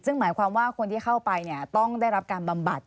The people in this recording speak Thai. ซึ่งหมายความว่าคนที่เข้าไปต้องได้รับการบำบัด